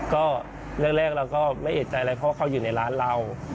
ก็แรกเราก็ไม่เอกใจอะไรเพราะว่าเขาอยู่ในร้านเรา